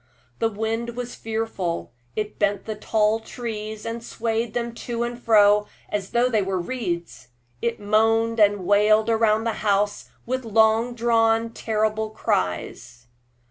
The wind was fearful; it bent the tall trees, and swayed them to and fro as though they were reeds. It moaned and wailed round the house with long drawn, terrible cries.